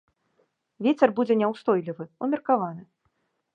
Вецер будзе няўстойлівы, умеркаваны.